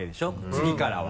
次からは。